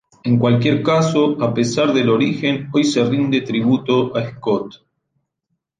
En cualquier caso, a pesar del origen hoy se rinde tributo a Scott.